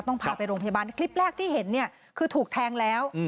ต้องพาไปโรงพยาบาลคลิปแรกที่เห็นคือถูกแทงแล้ว